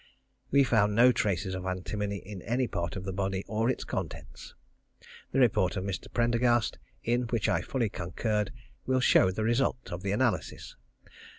We found no traces of antimony in any part of the body or its contents. The report of Mr. Prendergast, in which I fully concurred, will show the result of the analysis.